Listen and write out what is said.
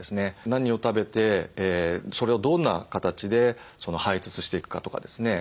何を食べてそれをどんな形で排せつしていくかとかですね